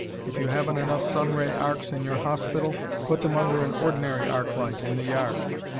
If you haven't enough sun ray arcs in your hospital, put them under an ordinary arc light in the yard.